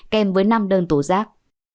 kèm với năm đơn tố giác